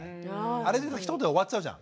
あれでひと言で終わっちゃうじゃん。